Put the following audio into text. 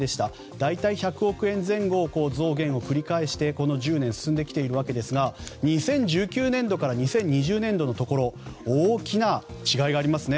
大体１００億円前後の増減を繰り返してこの１０年進んできているわけですが２０１９年度から２０２０年度のところ大きな違いがありますね。